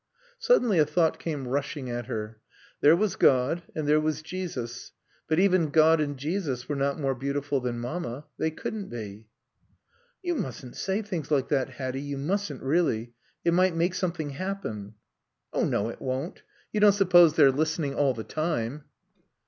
Suddenly a thought came rushing at her. There was God and there was Jesus. But even God and Jesus were not more beautiful than Mamma. They couldn't be. "You mustn't say things like that, Hatty; you mustn't, really. It might make something happen." "Oh, no, it won't. You don't suppose they're listening all the time."